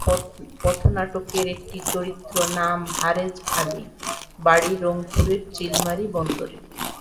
আমার সৃষ্ট পথনাটকের একটি চরিত্র, নাম হারেছ আলী, বাড়ি রংপুরের চিলমারী বন্দর।